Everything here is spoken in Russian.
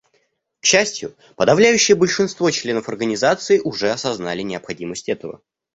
К счастью, подавляющее большинство членов Организации уже осознали необходимость этого.